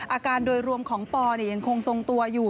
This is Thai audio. อาการโดยรวมของปอยังคงทรงตัวอยู่